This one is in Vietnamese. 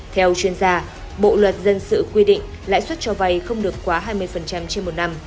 theo chuyên gia bộ luật dân sự quy định lãi suất cho vay không được quá hai mươi trên một năm